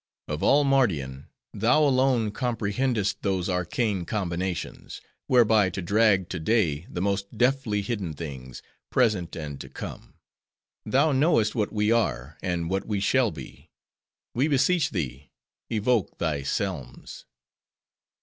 Of all Mardian, thou alone comprehendest those arcane combinations, whereby to drag to day the most deftly hidden things, present and to come. Thou knowest what we are, and what we shall be. We beseech thee, evoke thy Tselmns!"